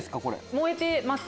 燃えてます。